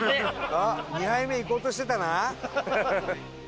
あっ２杯目いこうとしてたな。